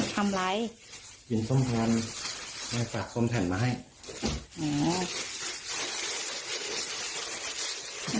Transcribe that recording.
ทำไรกินส้มแผ่นแม่สักส้มแผ่นมาให้